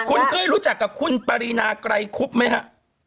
คุณเคยรู้จักกับคุณปรินาไกรคุบไหมฮะ